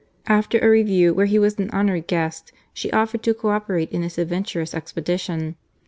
After a review, where he was an honoured guest, she offered to co operate in this adventurous expedition.